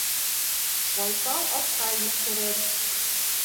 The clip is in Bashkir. Байтал атҡа еткерер